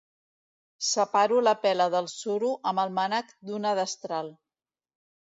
Separo la pela del suro amb el mànec d'una destral.